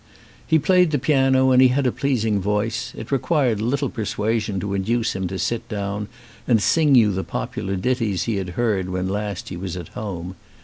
He played the piano and he had a pleasing voice ; it required little persuasion to induce him to sit down and sing you the popular ditties he had heard when last he was at home.